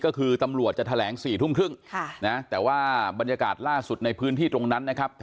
ก็คือตำรวจจะแถลง๔ทุ่มครึ่งแต่ว่าบรรยากาศล่าสุดในพื้นที่ตรงนั้นนะครับ